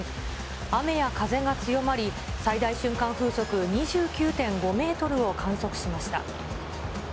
雨や風が強まり、最大瞬間風速２９．５メートルを観測しました。